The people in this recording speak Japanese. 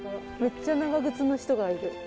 めっちゃ長靴の人がいる。